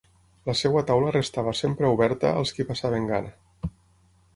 La seva taula restava sempre oberta als qui passaven gana.